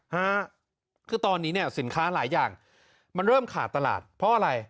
ฮะคือตอนนี้เนี่ยสินค้าหลายอย่างมันเริ่มขาดตลาดเพราะอะไร